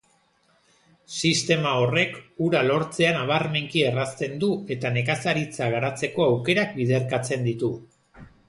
Sistema horrek ura lortzea nabarmenki errazten du eta nekazaritza garatzeko aukerak biderkatzen ditu.